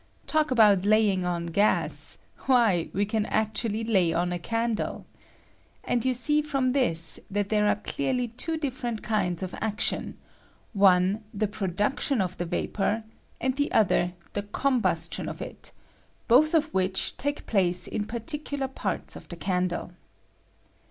Talk about laying on gas— why, we can actually lay on a candle 1 And you see from this that theTa DISTBIBUTIOH OF HEAT IN A FLAME. 1 are clearly two different kinds of action— one the proditction of the vapor, and the other the I combustion of it — both of which take place in portdcuiar parts of the candle.